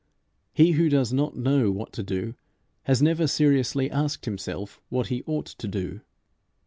He who does not know what to do has never seriously asked himself what he ought to do.